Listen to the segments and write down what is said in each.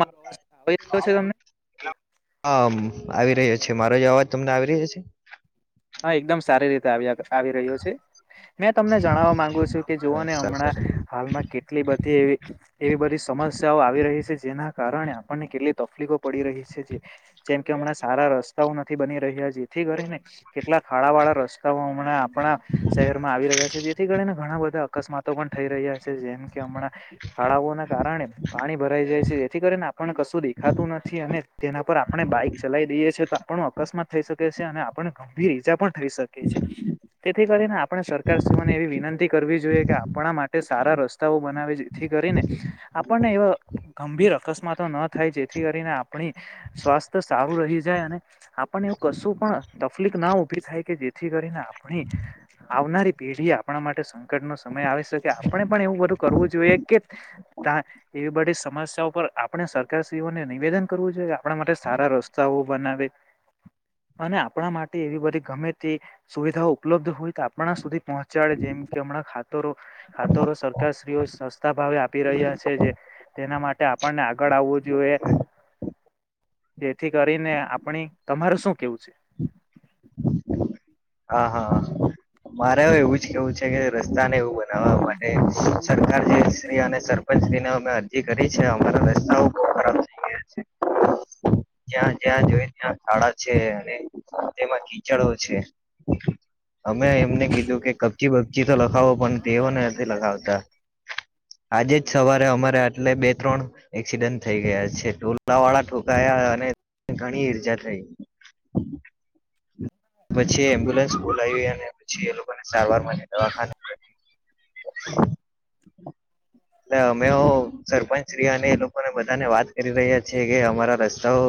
મારો અવાજ આવી રહ્યો છે તમને [inaudible] આમ આવી રહ્યો છે મારોય અવાજ તમને આવી રહ્યો છે? હા, એકદમ સારી રીતે આવ્યા કરે. આવી રહ્યો છે મેં તમને જણાવા માંગુ છું કે જોવોને સારું અમણાં સારું હાલમાં કેટલી બધી એવી બધી સ્કિ સમસ્યાઓ આવી રહી છે જેના કારણે આપણને કેટલી તફલીકો પડી રહી છે જેમ કે હમણાં સારા રસ્તાઓ નથી બની રહ્યા જેથી કરીને કેટલાક ખાડાવાળા રસ્તાઓ હમણાં આપણા શહેરમાં આવી રહ્યા છે જેથી કરીને ઘણા બધા અકસ્માતો પણ થઈ રહ્યા છે જેમ કે હમણાં ખાળાઓના કારણે પાણી ભરાઈ જાય છે જેથી કરીને આપણને કશું દેખાતું નથી અને તેના પર આપણે બાઈક ચલાઈ દઈએ છીએ તો આપણો અકસ્માત થઈ શકે છે અને આપણને ગંભીર ઈજા પણ થઈ શકે છે તેથી કરીને આપણે સરકાર શ્રીઓને એવી વિનંતી કરવી જોઈએ કે આપણા મા ટે સારા રસ્તાઓ બનાવે જેથી કરીને આપણને એવા ગંભીર અકસ્માતો ન થાય જે થી કરીને આપણી સ્વાસ્થ્ય સારું રહી જાય અને આપણને એવું કશું પણ તફલીક ના ઉભી થાય કે જેથી કરીને આપણી આવનારી પેઢી આપણા માટે સંકટનો આવી શકે આપણે પણ એવું બધું કરવું જોઈએ કે એવી બધી સમસ્યા પર આપણે સરકારશ્રીઓને નિવેદન કરવું જોઈએ કે આપણા માટે સારા રસ્તાઓ બનાવે અને આપણા માટે એવી બધી ગમે તે સુવિધાઓ ઉપલબ્ધ હોય તો આપણા સુધી પહોંચાડે જેમ કે હમણાં ખા તરો ખાતરો સરકારશ્રીઓ સસ્તા ભાવે આપી રહ્યા છે જે તેના માટે આપણને આગળ આવવું જોએ. હ જેથી કરીને આપણી તમારે શું કેવું છે? હા હા મારે હો એવું જ કેવું છે કે ર સ્તા ને એવું બનાવા માટે સરકારજી શ્રીઅને સરપંચજીનો અમે અ રજી કરી છે અમારા રસ્તાઓ બહુ ખરાબ થઈ ગયા છે. ત્યાં જ્યાં જોયે ત્યાં ખાડા છે અને તેમાં કીચડો છે. અમે એમને કીધું કે કપચી પચી તો લખાવો પણ તેઓ નથી લખાવતા. આજે જ સવારે અમારે આટલે બે ત્રણ એક્સિડન્ટ થઈ ગયા છે ટોલાવાળા ઠોકાયા અને ઘણી ઈર્જા થઈ. પછી એમ્બ્યુલન્સ બોલાયવી અને પછી એ લોકોને સારવાર માટે દવાખાના એટલે અમે હો સરપંચ શ્રી અને એ લોક કોને બધાને વાત કરી રહ્યા છીએ કે અમારા રસ્તાઓ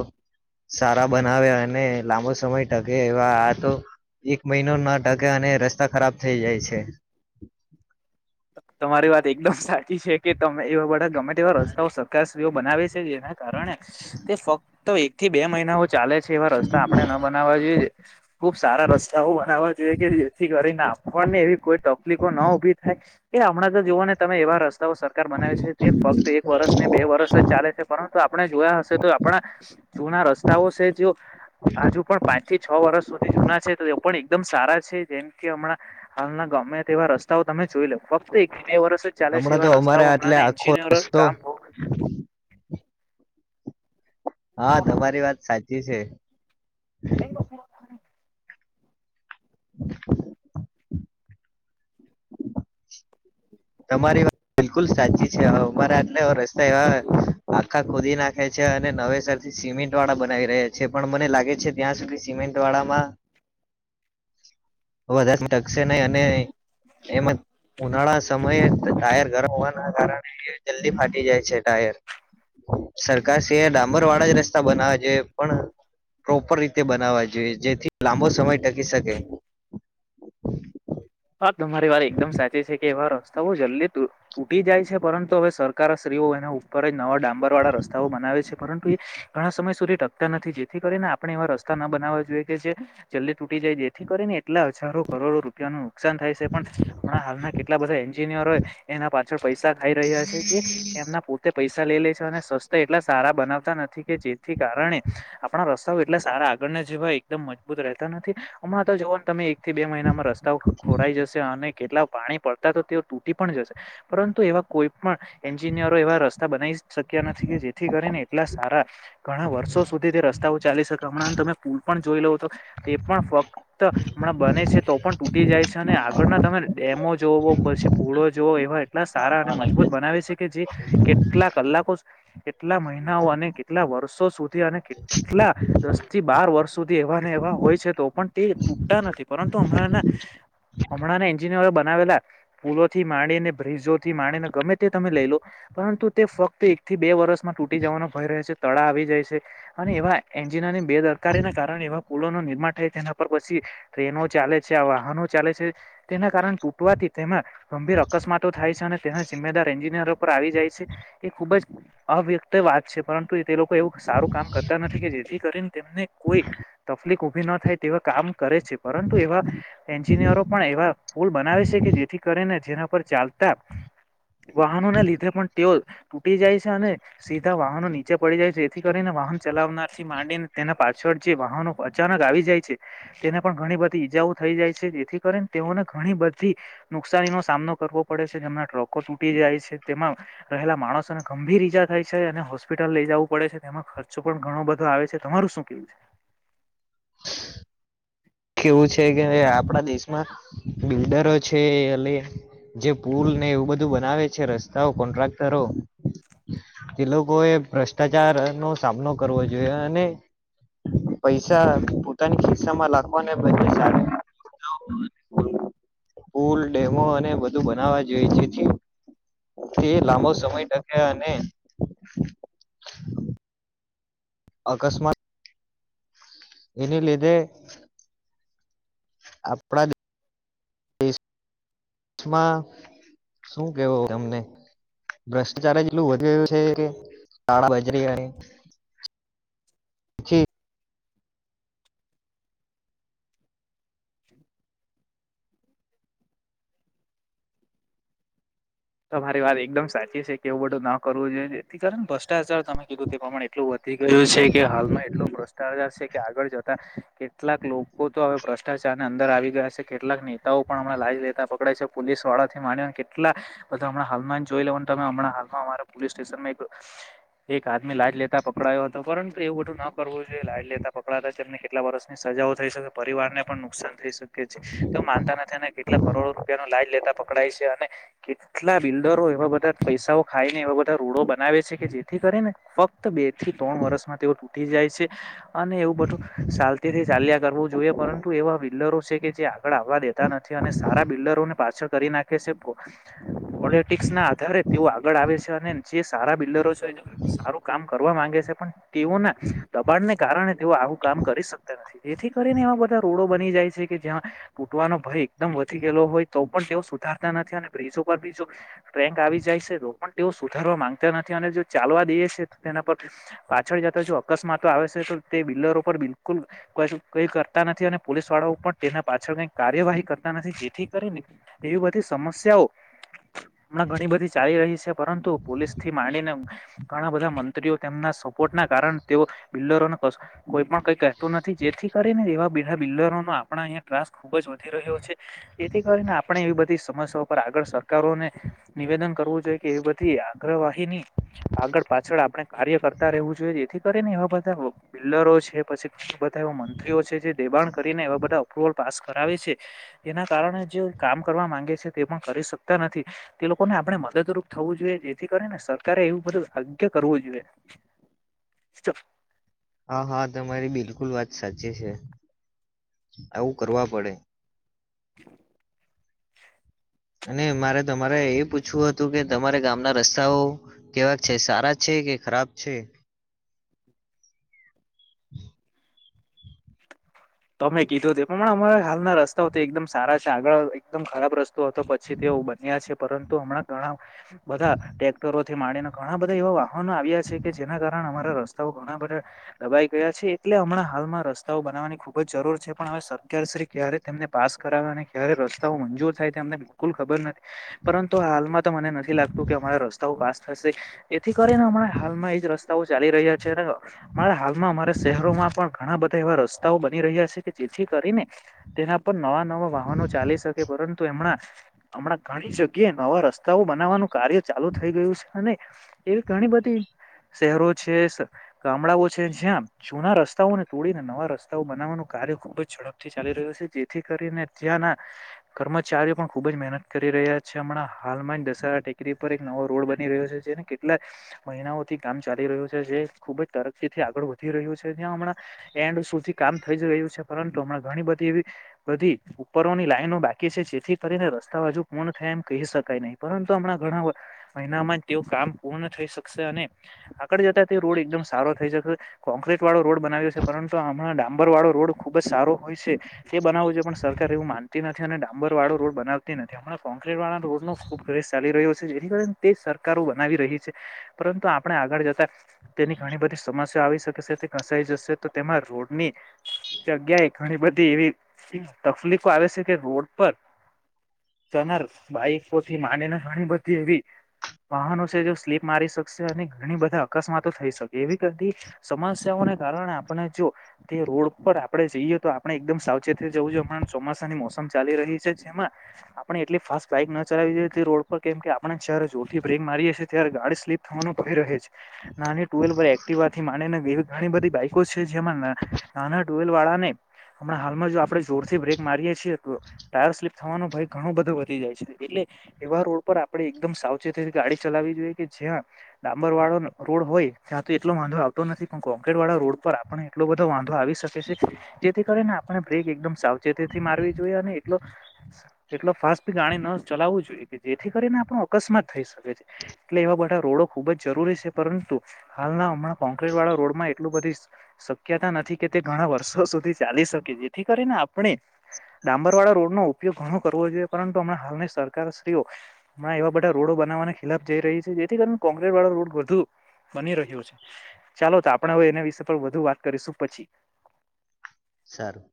સારા બનાવે અને લાંબો સમય ટકે. આ તો એક મહિનો ના ટકે અને રસ્ સ્તા ખરાબ થઈ જાય છે. તમારી વાત એકદમ સાચી છે કે તમે એવા બધા ગમે તેવા રસ્તાઓ સરકારશ્રીઓ બનાવે જેના કારણે તે ફક્ત એક થી બે મહિનાઓ ચાલે છે એવા રસ્તા આપણે ન બનાવવા જોઈએ. ખુબ સારા રસ્તાઓ બનાવવા જોઈએ કે જેથી કરીને ને એવી કોઈ તફલીકો ન ઉભી થાય એ હમણાં તો જોઓને તમે એવા રસ્તા સરકાર બનાવી છે તે ફક્ત એક વર્ષ ને બે વર્ષ જ ચાલે છે પરંતુ આપણે જોયા હશે તો આપણા જૂના રસ્તાઓ છે જો હજુ પણ પાંચ થી છ વર્ષ સુધી જૂના છે તો એ પણ એકદમ સારા છે જેમ કે હમણાં હાલના ગમે તેવા રસ્તાઓ તમે જોઈ લેવ ફક્ત એક બે વર્ષ જ ચાલે છે હમણાં તો એવા રસ્તા અમારે એટલે હમણાં ને આખો એન્જિનિયરોના રસ્તો કામ બઉ હા, તમારી વાત સાચી છે. [inaudible] [inaudible] તમારી વાત બિલકુલ સાચી છે અમારા આટ રસ્તા એવા આખા ખોદી નાખે છે અને નવેસર થી સિમેન્ટ વાળા બનાવી રહ્યા છે પણ મને લાગે છે ત્યાં સુધી સિમેન્ટ વાળામાં વધારે ટકશે નહી અને એમાં ઉનાળા સમયે ટાયર ગરમ હોવાના કારણે જલ્દી ફાટી જાય છે ટાયર સરકાર છે ડામર વાળા જ રસ્તા બનાવે છે પણ પ્રોપર રીતે બનાવવા જોઈએ જેથી લાંબો સમય ટકી શકે [inaudible] હા તમારી વાર એકદમ સાચી છે કે વાર જલ્દી તુ તૂટી જાય છે પરંતુ હવે સરકાર શ્રી ઓ એને ઉપર નવા ડાંબર વાળા રસ્તાઓ બનાવે છે પરંતુ એ ઘણા સમય સુધી ટકતા નથી જેથી કરીને આપણે એવા રસ્તા ના બનાવવા જોઈએ કે જે જલ્દી તૂટી જાયથી કરી ને એટલા હજારો કરોડો રૂપિયાનું નુકસાન થાય છે પણ હમણા હાલના કેટલા બધા એન્જિનિયરો એના પાછળ પૈસા ખાઈ રહ્યા છે જે એમના પોતે પૈસા લે લે છે અને સસ્તા એટલા સારા બનાવતા નથી કે જેથી કારણે આપણા રસ્તાઓ એટલા સારા આગળ આપણા જેવા એકમ મજબૂત રહેતા નથી અમાં તો જોવા તમે થી બે મહિનામાં રસ્તાઓ ખોરાઈ જશે અને કેટલા પાણી પડતા તો તેઓ તૂટી પણ જશે પરંતુ એવા કોઈ પણ એન્જિનિયરો એવા રસ્તા બનાવી શક્યા નથી કે જેથી કરીને એટલા સારા ઘણા વર્ષો સુધી તે રસ્તાઓ ચાલી શકે હમણાં તમે પુલ પણ જોઈ લો તો તે પણ ફક્ત હમણાં બને છે તો પણ તૂ તટી જાય છે અને આગળના તમે ડેમો જવો પછી પુળો જવઓ એવાય સારા અને મજબૂત બનાવે છે કે જે કેટલા કલાકો કેટલા મહિનાઓ અને કેટલા વર્ષો સુધી અને કેટલા દસ થી બાર વર્ષો સુધી એવા એવા હોય છે તો પણ તે તૂટતા નથી પરંતુ હમણાં હમણાં એન્જિનિયરો બનાવેલા પુલોથી માંડીને બ્રિજોથી માંડીને ગમે તે તમે લઈ લો પરંતુ તે ફક્ત એક થી બે વર્ષમાં તૂટી જવાનો ભય રહે છે તળા આવી જાય છે અને એવા એન્જિનની બેદરકારી ના કારણે એવા પૂલોનું નિર્માણ થાય તેના પર પછી ટ્રેનો ચાલે છે આ વાહનો ચાલે છે તેના કારણ તૂટવાથી તેમાં ગંભીર અકસ્માતો થાય છે અને તેને જિમ્મેદાર એન્જિનિયર આવી જાય છે એ ખુબ જ અવ્યક્ત વાત છે પરંતુ તે લોકો એવું સારું કામ કરતા નથી કે જેથી કરીને તેમને કોઈ તકલીફ ઉભી ન થાય તેવા કામ કરે છે પરંતુ એવા એન્જિનિયરો પણ એવા પુલ બનાવે છે કે જેથી કરીને જેના પર ચાલ વાહનોને લીધે પણ તેઓ તૂટી જાય છે અને સીધા વાહનો નીચે પડી જાય છે જેથી કરીને વાહન ચલાવનાર થી માંડીને તેને પાછળ જે વાહનો અચાનક આવી જાય છે તેને પણ ઘણી બધી ઈજાઓ થઈ જાય છે જેથી કરીને તેઓને ઘણી બધી નુકસાની નો સામનો કરવો પડે છે જેમના ટ્રકો તૂટી છે તેમાં રહેલા માણસોને ગંભીર ઈજા થાય છે અને હોસ્પિટલ લઈ જવું પડે છે તેમાં ખર્ચો પણ ઘણો બધો આવે છે તમારું શું કેવું છે [inaudible] કેવું છે કે આપડા દેશમાં બિલ્ડરો છે અ જે પુલ ને એવું બધું બનાવે છે રસ્તાઓ કોન્ટ્રાક્ટરો એ લોકો એ ભ્રષ્ટાચાર નો સામનો કરવો જોઈએ અને પૈસા પોતાની ખિસ્સા માં લાગતા [unintelligible] પુલ ડેમો અને બધું બનાવવા જોઈ જે એ લાંબો સમય ટકે અને અકસ્માત એને લીધે આપણા [inaudible] દેશમાં શું કેવો તમને ભ્રષ્ટાચાર એટલું વધ રહ્યું છે કે કાળા બજરી જી [unintelligible] તમારી વાત એકદમ સાચી છે કે એવું બધું ના કરવું જોઈએ જેથી કાર ભ્રષ્ટાચાર તમે કીધું પ્રમાણ એટલું વધી ગયું છે કે હાલમાં એટલો ભ્રષ્ટાચાર છે કે આગળ જતા કેટલાક લોકો તો હવે ભ્રષ્ટાચાર ને અંદર આવી ગયા છે કેટલાક નેતાઓ પણ હમણા લાજ લેતા પકડે છે. પોલીસ વાળા થી માંડી ને કેટલા બધા હમણા હાલમાં જોઈ લેવા તમેમણા હાલમાં અમારા પોલીસ સ્ટેશન માં એક એક આદમી લાજ લેતા પકડાયો હતો પરંતુ એવું બધું ના કરવું લાઈડ લેતા પકડાતા તેમમને કેટલા વર્ષની સજાઓ થઈ શકે પરિવારને પણ નુકસાન થઈ શકે છે. તે માનતા નથી અને કેટલા કરોડો રૂપિયા ન લાજ લેતા પકડાય છે અને કેટલા બિલ્ડરો એવા બધા પૈસાઓ ખાઈને એવા બધા રોડો બનાવે છે કે જેથી કરીને ફક્ત બે થી ત્રણ વર્ષમાં તેઓ તૂટી જાય છે અને એવું બધું ચાલતીથી ચાલ્યા કરવું જોઈએ પરંતુ એવા બિલ્ડરો છે કે જે આગળ આવવા દેતા નથી અને સારા બિલ્ડરોને પાછળ કરી નાખે છે. [unintelligible] પોલિટિક્સ ના આધારે તેઓ આગળ આવે છે અને જે સારા બિલ્ડરો છે એ સારું કામ કરવા માંગે છે પણ તેઓ ના દબાણને કારણે તેઓ આવું કામ કરી શકતા નથી. જેથી કરીને એવા બધા રોડો બની જાય કે જ્યાં ફૂટવાનો ભય એકમ વધી ગયેલો હોય તો પણ તેઓ સુધારતા નથી અને બ્રિજ ઉપર બી જો ટ્રેન્ક આવી જાય છે. તો પણ તેઓ સુધારવા માંગતા નથી અને જો ચાલવા દઈએ છે ત્યાં [unintelligible] પાછળ જતા જો અકસ્માતો આવે છે તો તે બિલ્લરો પર બિલકુલ કઈ કરતા નથી અને પોલીસ વાળાઓ પણ તેના પાછળ કાંઈ કાર્યવાહી કરતા નથી. જેથી કરીને એવી બધી સમસ્યાઓ [unintelligible] હમણાં ઘણી બધી ચાલી રહી છે પરંતુ પોલીસ થી માંડીને ઘણા બધા મંત્રીઓ તેમના સપોર્ટ ના કારણ તે બિલ્ડરોને કોઈ પણ કઈ કતું નથી જેથી કરીને એવા બિલ્ડરો આપણા અહીંયા ત્રાસ ખુબ જ વધી રહ્યો છે. જેથી કરીને આપણે એવી બધી સમસ્યા આગળ સરકારોને નિવેદન કરવું જોઈએ કે એ બધી આગ્રવાહીની આગળ પાછળ આપણે કાર્ય કરતા ર રહેવું જોઈએ. જેથી કરી ને એવા બધા બિલ્ડરો છે પછી બધા એવા મંત્રીઓ છે જે દેબાણ કરીને એવા બધા અપ્રુવલ પાસ કરાવે છે. એના કારણે જે કામ કરવા માંગે છે તે પણ કરી શકતા નથી. તે લોકોને આપણે મદદરૂપ થવું જોઈએ જેથી કરીને સરકારે એવું બધ ભાગ્ય કરવું જુવે. હા હા તમારી બિલકુલ વાત સાચી છે. આવું કરવા પડે. [inaudible] અને મારે તમારે એ પૂછવું હતું કે તમારે ગામના રસ્તાઓ કેવા છે સારા છે કે ખરાબ છે? તો અમે કીધું તે પ્રમા અમારા હાલના રસ્તાઓ એકદમ સારા છે. આગળ એકદમ ખરાબ રસ્તા પછી તે બન્યા છે પરંતુ હમણાં ઘણા બધા ટટેક્ટરો થીને ઘણા બધા એવા વાહનો આવ્યા છે કે જેના કારણે અમારા રસ્તાઓ ઘણા બધા દબાઈ ગયા છે એટલે હમણાં હાલમાં રસ્તાઓ બનાવાની ખૂબ અજ જરૂર છે પણ હવે સરકારશ્રી ક્યારે તેમને પાસ કરાવ્યા અને ક્યારે રસ્તાઓ મંજૂર થાય તે અમને બિલકુલ ખબર નથી પરંતુ હાલમાં તો મને નથી લાગતું કે અમારા રસ્તાઓ પાસ થશે એથી કરીનેણા હાલમાં એજ રસ્તા ચાલી રહ્યા છે. હાલમાં અમારા શહેરોમાં પણ ઘણા બધા એવા રસ્તાઓ રહ્યા છે કે જેથી કરીને તેના પર નવા નવા વાહનો ચાલી શકે પરંતુ એમણા હમણાં ઘણી જગ્યાએ નવા રસ્તાઓ બનાવવાનું કાર્ય ચાલુ થઈ ગયું છે અને એવી ઘણી બધી શહેરો છે ગામડાઓ છે જ્યાં જૂના રસ્તાઓને તોડીને નવા રસ્તા એઉ બનાવવાનું કાર્ય ખુબ જ ઝડપથી ચાલી રહ્યું છે જેથી કરીને ત્યાંના કર્મચારીઓ પણ ખુબ ખુબજ મહેનત કરી રહ્યા છે હમણાં હાલમાં જ દસરા ટેકરી પર એક નવો રોડ બની રહ્યો છે જેને કેટલાઈ મહિનાઓથી કામ ચાલી રહ્યું છે જે ખુબ જ તરક્થી આગળ વધી રહ્યું છે ત્યાં હમણાં એન્ડ સુધી કામ થઈ જ રહ્યું છે પરંતુ હમણાં ઘણી બધી એવી બધી ઉપરોની લાઈનો બાકી છે જેથી કરીને રસ્તા બાજુ પૂર્ણ થયા એમ કહી શકાય નહી પરંતુ હમણાં ઘણા મહિનામાં જ તેઓ કામ પૂર્ણ થઈ શકશે ત અને આગળ જતા તે રોડ એકદમ સારો થઈ શકે કોક્રીટ વાળો રોડ બનાવ્યો છે પરંતુ હમણાં દા અંબરવાળો રોડ ખુબ જ સારો હોય છે. સે બનાવવું જોઈએ પણ સરકાર એવું માનતી નથી અને ડામબર વાળો રોડ બનાવતી નથી હમણાં કોક્રીટ વાળા રોડ નો ખુ [unintelligible] ચાલી રહ્યુ સે જેથી તે સરકારો બનાવી રહી છે પરંતુ આપણે આગળ જતા તેની ઘણી બધી સમસ્યા આવી શકે છે તે કસાઈ જશે તો તેમાં રોડ ની જગ્યા એ ઘણી બધી એવી તકલીફો આવે છે કે રોડ પર [inaudible] સનાર બાઈકોથી માનીને ઘણી બધી એવી વાહનો છે જે સ્લીપ મારી શકશે અને ઘણી બધા અકસ્માતો થઈ શકે એવી ગતી સમાજ સેવા ના કારણે આપણે જો તે રોડ પર આપડે જઈએ તો આપણે એકદમ સાવચેતી જવું જો હમણા ચોમાસાની મોસમ ચાલી રહી છે જેમાં આપણે એટલી ફાસ્ટ બાઈક ના ચલાવીએ તે રોડ પર કેમ કે આપણે જયારે જોરથી બ્રેક મારીએ છીએ ત્યારે ગાડી સ્લીપ થવાનું ભઇ રહે છે નાની ટુવીલ વ એકટીવા થી માંડીને બીજી ઘણીધી બાઈકો છે જેમાંના નાના ટુવહીલ વાળાને હમણા હાલમાં જો આપડે જોરથી બ્રેક મારીએે છીએ તો ટાયર સ્લીપ થવાનો ભય ઘણો બધો વધી જાય છે એટલે એવા રોડ પર આપણે એકમ સાવચેતી ગાડી ચલાવી જોઈએ કે જ્યાં ડાંબર વાળો રોડ હોય ત્યાં તો એટલો વાંધો આવતો નથી પણ કોંક્રેટ વાળા રોડ પર આપણે એટલો બધો વાંધ ધો આવી શકે છે જેથી કરીને આપણે બ્રેક એકમ સાવચેતીથી મારવી જોઈએ અને એટલો એટલો ફાસ્ટીભી ગાણી ન ચલાવવું જોઈએ કે જેથી કરીને આપણો અકસ્માત થઈ શકે છે એટલે એવા બધા રોડો ખૂબ જ જરૂરી છે પરંતુ હાલના હમણાં કોક્રીટ વાળા રોડમાં એટલું બધી શક્યતા નથી કે તે ઘણા વર્ષો સુધી ચાલી શકે જેથી કરીને આપણે. ડાંબરવાળા રોડ નો ઉપયોગ ઘણો કરવો જોઈએ પરંતુ હમણા હાલની સરકારશ્રીઓ હમણા એવા બધા રોડો બનાવા ના ખિલાફ જઈ રહી છે જેથી કરીન કોંક્રેટ વાળા રોડ વધુ બની રહ્યો છે ચાલો તો આપણેે હવે એના વિશે પણ વધુ વાત કરીશું પછી. સારું.